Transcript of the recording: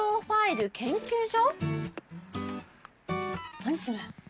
何それ？